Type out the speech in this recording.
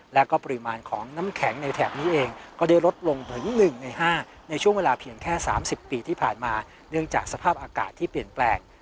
และก็ปริมาณของน้ำแข็งในแถบนี้เองก็ได้ลดลงถึง๑ใน๕ในช่วงเวลาเพียงแค่๓๐ปีที่ผ่านมาเนื่องจากสภาพอากาศที่เปลี่ยนแปลง